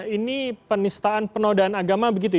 ini penistaan penodaan agama begitu ya